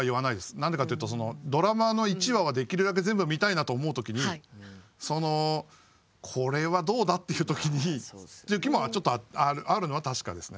何でかっていうとドラマの１話はできるだけ全部見たいなと思う時にこれはどうだっていう時にという時もちょっとあるのは確かですね。